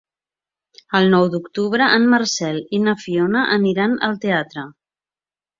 El nou d'octubre en Marcel i na Fiona aniran al teatre.